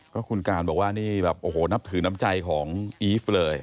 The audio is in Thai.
ก็คุณการบอกว่านี่แบบโอ้โหนับถือน้ำใจของอีฟเลย